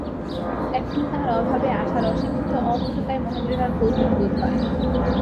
এক্ষণে তাহার অভাবে, আশার অশিক্ষিত অপটুতায় মহেন্দ্রের আর কৌতুকবোধ হয় না।